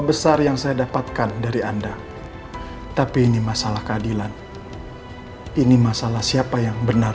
besar yang saya dapatkan dari anda tapi ini masalah keadilan ini masalah siapa yang benar